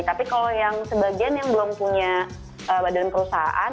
tapi kalau yang sebagian yang belum punya badan perusahaan